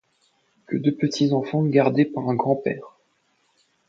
Que deux petits enfants gardés par un grand-père